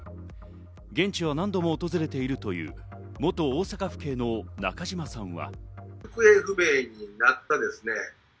現地を何度も訪れているという元大阪府警の中島さんは。